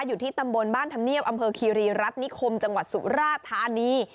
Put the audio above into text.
อยู่ที่ตำบลบ้านธรรมเนียบอำเภอคีรีรัฐนิคมจังหวัดสุราธานี